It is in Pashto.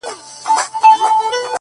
څه عجيبه جوارگر دي اموخته کړم،